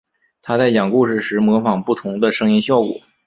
他在讲故事时模仿不同的声音效果。